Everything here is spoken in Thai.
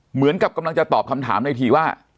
เหมือนกับกำลังจะตอบคำถามในทีว่า